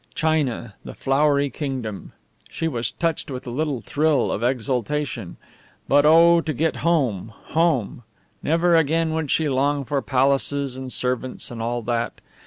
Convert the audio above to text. China, the flowery kingdom! She was touched with a little thrill of exultation. But oh, to get home, home! Never again would she long for palaces and servants and all that.